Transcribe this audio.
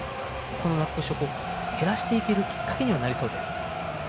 負け越しを減らしていけるきっかけになりそうです。